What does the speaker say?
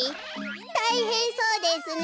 たいへんそうですね。